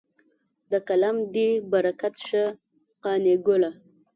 د قلم دې برکت شه قانع ګله.